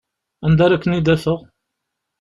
Anda ara ken-id-afeɣ?